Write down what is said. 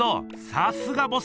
さすがボス！